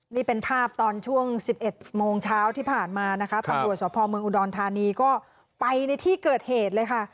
นี่เป็นภาพตอนช่วง๑๑โมงเช้าที่ผ่านมานะคะตำรวจสภเมืองอุดรธานีก็ไปในที่เกิดเหตุเลยค่ะ